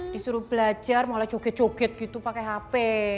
disuruh belajar malah joget joget gitu pakai hp